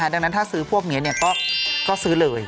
ดังนั้นถ้าซื้อพวกนี้ก็ซื้อเลย